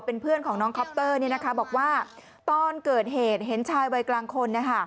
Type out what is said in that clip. เป็นเพื่อนของน้องคอปเตอร์บอกว่าตอนเกิดเหตุเห็นชายวัยกลางคน